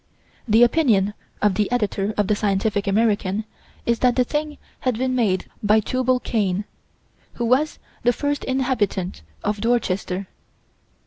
The opinion of the Editor of the Scientific American is that the thing had been made by Tubal Cain, who was the first inhabitant of Dorchester.